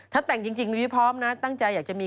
ถ้าแต่งจริงนุ้ยพร้อมนะตั้งใจอยากจะมี